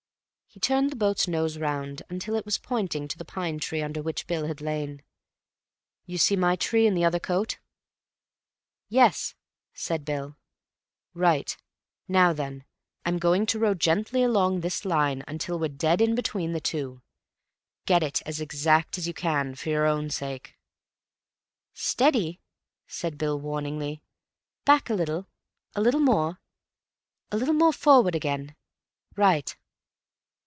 He turned the boat's nose round until it was pointing to the pine tree under which Bill had lain. "You see my tree and the other coat?" "Yes," said Bill. "Right. Now then, I'm going to row gently along this line until we're dead in between the two. Get it as exact as you can—for your own sake." "Steady!" said Bill warningly. "Back a little.... a little more .... a little more forward again.... Right."